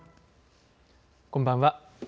こんばんは。